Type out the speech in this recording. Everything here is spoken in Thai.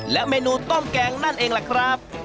และเมนูต้มแกงนั่นเองล่ะครับ